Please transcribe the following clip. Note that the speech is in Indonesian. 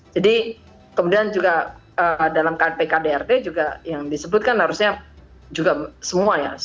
jadi kemudian juga dalam kpkdrt juga yang disebutkan harusnya juga semua ya